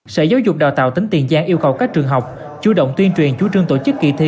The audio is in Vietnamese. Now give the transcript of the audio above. sở giáo dục đào tạo tỉnh tiền giang yêu cầu các trường học chú động tuyên truyền chú trương tổ chức kỳ thi